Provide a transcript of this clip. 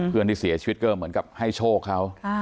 เพื่อนที่เสียชีวิตก็เหมือนกับให้โชคเขา